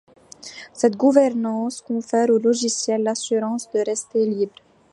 Cette gouvernance confère au logiciel l’assurance de rester libre.